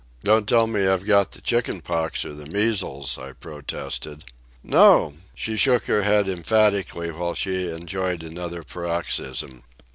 "Don't tell me I've got the chicken pox or the measles," I protested. "No." She shook her head emphatically while she enjoyed another paroxysm.